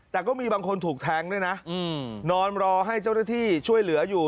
แต่ก็มีบางคนถูกแทงด้วยนะนอนรอให้เจ้าหน้าที่ช่วยเหลืออยู่